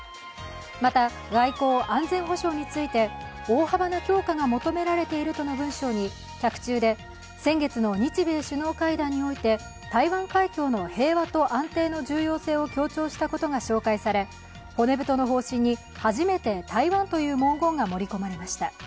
また、外交・安全保障について大幅な強化が求められているとの文章に脚注で、先月の日米首脳会談において台湾海峡の平和と安定の重要性を強調したことが紹介され骨太の方針に初めて台湾という文言が盛り込まれました。